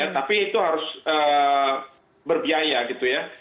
tapi itu harus berbiaya gitu ya